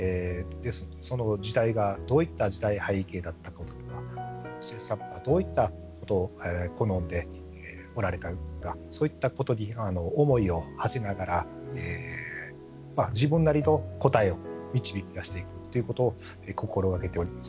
ですので、その時代がどういった時代背景だったかとか。どういったことを好んでおられたのかそういったことに思いをはせながら自分なりの答えを導き出していくということを心がけております。